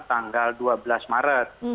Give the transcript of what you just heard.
tanggal dua belas maret